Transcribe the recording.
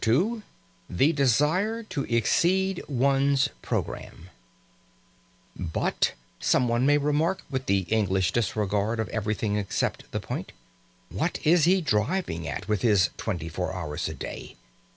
II THE DESIRE TO EXCEED ONE'S PROGRAMME "But," someone may remark, with the English disregard of everything except the point, "what is he driving at with his twenty four hours a day?